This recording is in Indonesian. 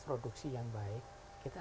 produksi yang baik kita